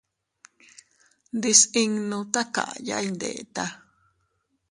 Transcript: Ndisinnu takaya iyndeta.